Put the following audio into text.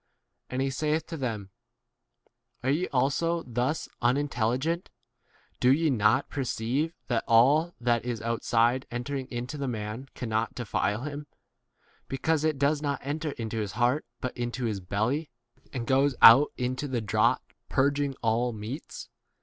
And he saith to them, Are ye also thus unintelli gent? Do ye not perceive that all that is outside entering into 19 the man cannot defile him, be cause it does not enter into his heart but into his belly, and goes out into the draught, purging all 20 meats